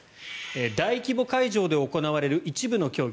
大規模会場で行われる一部の競技。